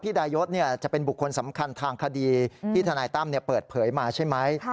ดายศจะเป็นบุคคลสำคัญทางคดีที่ทนายตั้มเปิดเผยมาใช่ไหม